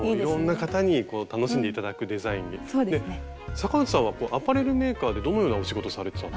坂内さんはアパレルメーカーでどのようなお仕事されてたんですか？